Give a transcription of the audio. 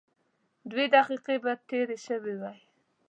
دوه دقيقې به تېرې شوې وای.